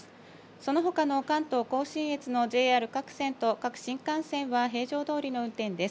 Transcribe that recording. そのほかの関東甲信越のＪＲ各線と各新幹線は平常どおりの運転です。